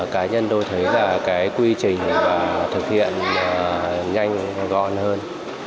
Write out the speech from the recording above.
cá nhân tôi thấy là cái quy trình thực hiện nhanh gọn hơn